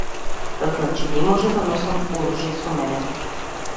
Значи не може да носам оружје со мене.